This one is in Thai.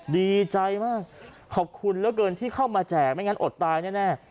ดีใจมากขอบคุณเหลือเกินที่เข้ามาแจกไม่งั้นอดตายแน่